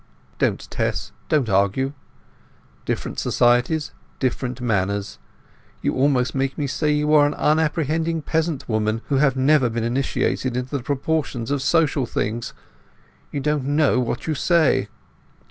"Don't, Tess; don't argue. Different societies, different manners. You almost make me say you are an unapprehending peasant woman, who have never been initiated into the proportions of social things. You don't know what you say."